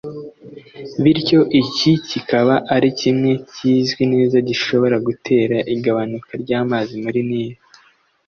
bityo iki kikaba ari kimwe kizwi neza gishobora gutera igabanuka ry’amazi muri Nili